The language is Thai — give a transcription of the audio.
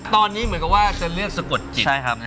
ตอนนี้เหมือนกับว่าจะเลือกสะกดจิต